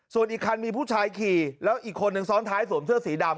ส่วนอีกคันมีผู้ชายขี่แล้วอีกคนนึงซ้อนท้ายสวมเสื้อสีดำ